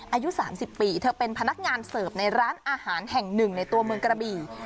อายุ๓๐ปีเธอเป็นพนักงานเสิร์ฟในร้านอาหารแห่งหนึ่งในตัวเมืองกระบี่